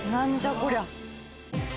こりゃ！